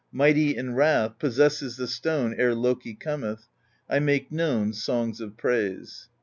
Mighty in wrath, possesses The Stone ere Loki cometh: I make known songs of praise.